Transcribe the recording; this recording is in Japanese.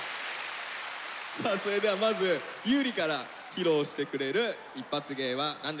さあそれではまず裕理から披露してくれるイッパツ芸は何ですか？